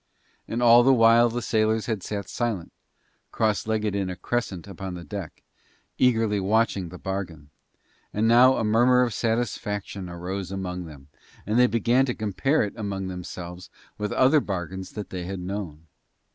And all the while the sailors had sat silent, cross legged in a crescent upon the deck, eagerly watching the bargain, and now a murmur of satisfaction arose among them, and they began to compare it among themselves with other bargains that they had known.